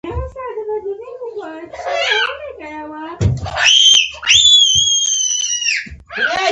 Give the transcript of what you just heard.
د بریتانیا او امریکا.